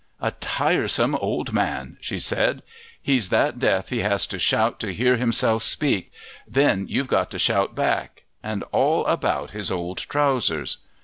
"A tiresome old man!" she said. "He's that deaf he has to shout to hear himself speak, then you've got to shout back and all about his old trousers!"